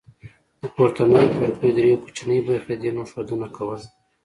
د پورتنیو کړکیو درې کوچنۍ برخې د دې نوم ښودنه کوله